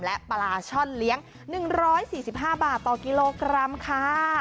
และปลาช่อนเลี้ยง๑๔๕บาทต่อกิโลกรัมค่ะ